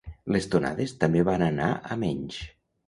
les tonades també van anar a menys